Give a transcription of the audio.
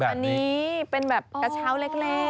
อันนี้เป็นแบบกระเช้าเล็ก